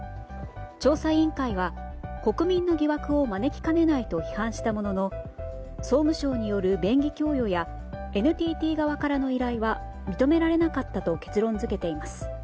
調査委員会は国民の疑惑を招きかねないと批判したものの総務省による便宜供与やＮＴＴ側からの依頼は認められなかったと結論付けています。